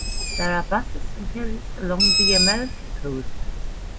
There are buses and ferries along the Amalfi Coast.